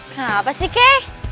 kenapa sih kei